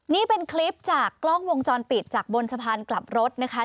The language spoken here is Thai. นี่เป็นคลิปจากกล้องวงจรปิดจากบนสะพานกลับรถนะคะ